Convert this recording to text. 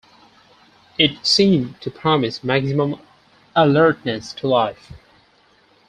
It seemed to promise maximum alertness to life.